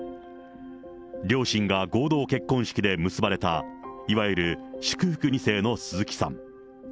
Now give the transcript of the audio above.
両親が合同結婚式で結ばれた、いわゆる祝福２世の鈴木さん。